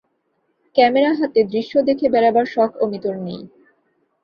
Camera হাতে দৃশ্য দেখে বেড়াবার শখ অমিতর নেই।